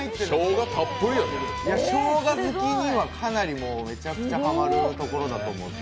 しょうが好きにはめちゃくちゃハマるところだと思います。